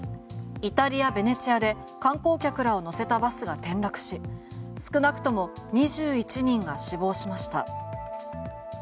イタリア・ベネチアで観光客らを乗せたバスが転落し少なくとも２１人が死亡しました。